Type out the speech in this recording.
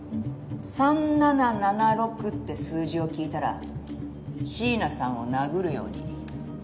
３７７６って数字を聞いたら椎名さんを殴るように。